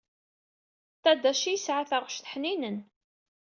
Tadashi yesɛa taɣect ḥninen.